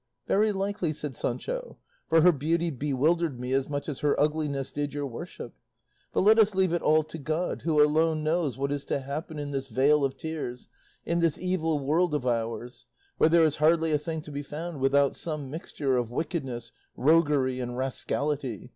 "Very likely," said Sancho; "for her beauty bewildered me as much as her ugliness did your worship; but let us leave it all to God, who alone knows what is to happen in this vale of tears, in this evil world of ours, where there is hardly a thing to be found without some mixture of wickedness, roguery, and rascality.